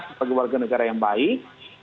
sebagai warga negara yang baik